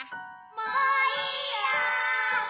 もういいよ！